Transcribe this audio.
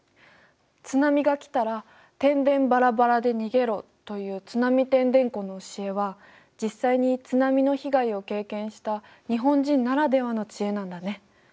「津波が来たらてんでんばらばらで逃げろ」という「津波てんでんこ」の教えは実際に津波の被害を経験した日本人ならではの知恵なんだね。